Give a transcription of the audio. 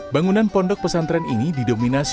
bangunan pondok pesantren ini didominasi